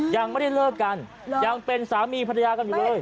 ยังไม่ได้เลิกกันยังเป็นสามีภรรยากันอยู่เลย